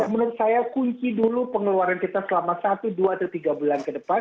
menurut saya kunci dulu pengeluaran kita selama satu dua atau tiga bulan ke depan